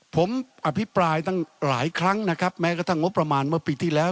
ผมอภิปรายตั้งหลายครั้งนะครับแม้กระทั่งงบประมาณเมื่อปีที่แล้ว